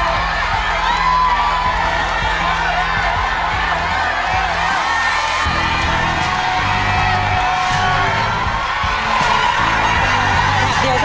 เอาลูกเดี๋ยวตัดให้